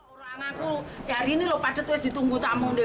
orang anakku ya hari ini lo padat was ditunggu tamu deh